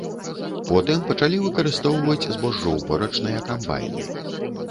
Потым пачалі выкарыстоўваць збожжаўборачныя камбайны.